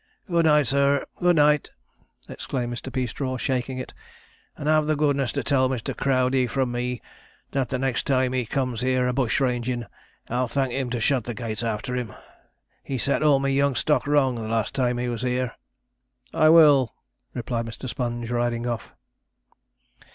'Good night, sir; good night!' exclaimed Mr. Peastraw, shaking it; 'and have the goodness to tell Mr. Crowdey from me that the next time he comes here a bush rangin', I'll thank him to shut the gates after him. He set all my young stock wrong the last time he was here.' 'I will,' replied Mr. Sponge, riding off.